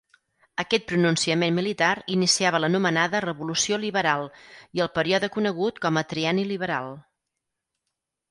Aquest pronunciament militar iniciava l'anomenada Revolució Liberal i el període conegut com a Trienni Liberal.